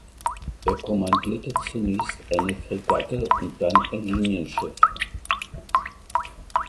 Er kommandierte zunächst eine Fregatte und dann ein Linienschiff.